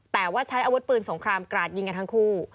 แต่ว่าใช้อาวุธปืนสงครามกราดยิงกันทั้งคู่